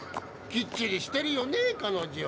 きっちりしてるよね彼女。